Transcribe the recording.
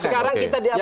sekarang kita di